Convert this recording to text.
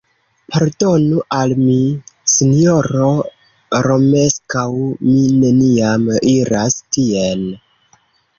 Pardonu al mi, sinjoro Romeskaŭ; mi neniam iras tien.